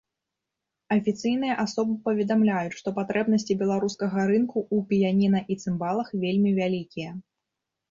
Афіцыйныя асобы паведамляюць, што патрэбнасці беларускага рынку ў піяніна і цымбалах вельмі вялікія.